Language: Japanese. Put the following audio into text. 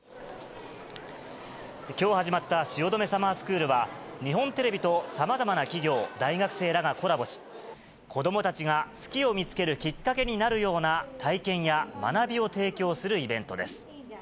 きょう始まった汐留サマースクールは、日本テレビとさまざまな企業、大学生らがコラボし、子どもたちが好きを見つけるきっかけになるような体験や学びを提供するイベントです。